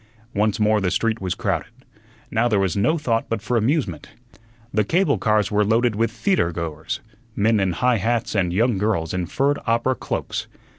Once more the street was crowded. Now there was no thought but for amusement. The cable cars were loaded with theatre goers men in high hats and young girls in furred opera cloaks.